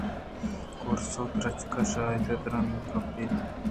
کُروس ءَ درٛچک ءِ شاہے ءَ درٛنگ گپت ءُ وپت